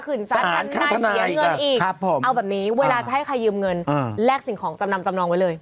พี่อาจจะขึ้นสารหน้าเผาเสียเงินเองอีกเอาแบบนี้เวลาจะให้ใครยืมเร็จแลกชิงของจำนำจะจำนองไว้เลย